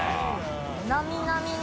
なみなみに。